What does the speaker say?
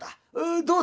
どうだい？」。